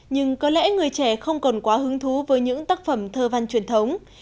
nhưng có lẽ người trẻ không còn quá hứng thú với những tác phẩm thơ văn truyền thống